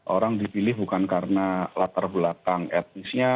orang dipilih bukan karena latar belakang etnisnya